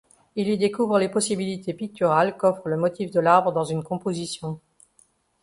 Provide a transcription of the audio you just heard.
Il y découvre les possibilités picturales qu'offre le motif de l'arbre dans une composition.